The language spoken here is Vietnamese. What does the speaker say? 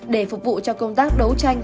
để phục vụ cho công tác đấu tranh